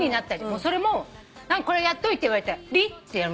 それもこれやっといて言われたら「り」ってやる。